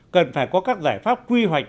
cần phải có các giải pháp quy hoạch